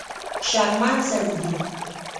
شکمن سړي دي.